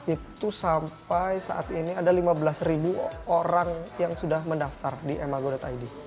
itu sampai saat ini ada lima belas orang yang sudah mendaftar di emago id